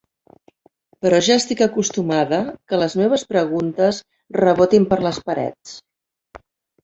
Però ja estic acostumada que les meves preguntes rebotin per les parets.